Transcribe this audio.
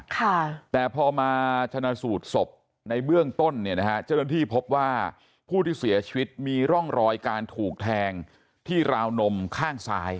ค่ะแต่พอมาชนะสูตรศพในเบื้องต้นเนี่ยนะฮะเจ้าหน้าที่พบว่าผู้ที่เสียชีวิตมีร่องรอยการถูกแทงที่ราวนมข้างซ้าย